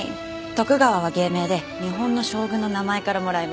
トクガワは芸名で日本の将軍の名前からもらいました。